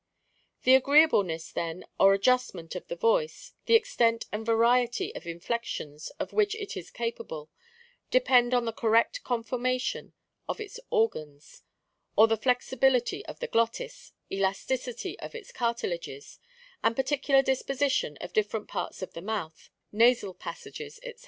The agree ableness, then, or adjustment of the voice, the extent and variety of in flections of which it is capable, depend on the correct conformation of its organs, or the flexibility of the glottis, elasticity of its cartilages, and particular disposition of different parts of the month, nasal passages, &c.